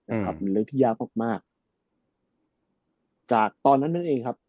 เป็นเรื่องที่ยากมากมากจากตอนนั้นนั่นเองครับ